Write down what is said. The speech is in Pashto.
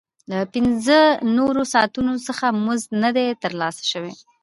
له پنځه نورو ساعتونو څخه مزد نه دی ترلاسه شوی